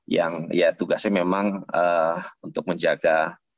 yang ya tugasnya memang untuk menjaga